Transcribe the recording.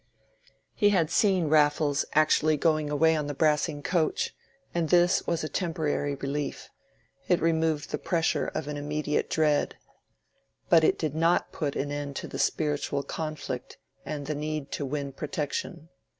He had seen Raffles actually going away on the Brassing coach, and this was a temporary relief; it removed the pressure of an immediate dread, but did not put an end to the spiritual conflict and the need to win protection.